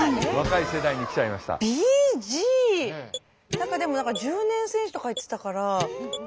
何かでも１０年選手とか言ってたから何だろう。